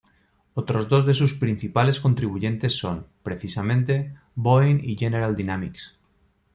Otros dos de sus principales contribuyentes son, precisamente, Boeing y General Dynamics.